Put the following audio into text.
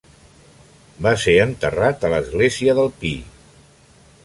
Va ser enterrat a l'església del Pi.